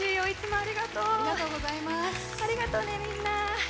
ありがとうねみんな。